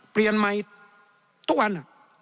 เปลี่ยนใหม่ทุกวัน